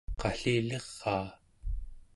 qalliliraa